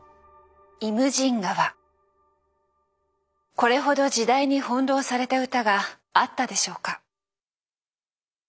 これほど時代に翻弄された歌があったでしょうか？